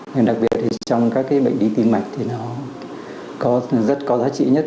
nhưng đặc biệt thì trong các cái bệnh lý tim mạch thì nó có rất có giá trị nhất